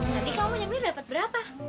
tadi kamu nyemir dapat berapa